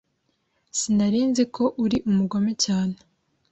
Sinari nzi ko uri umugome cyane.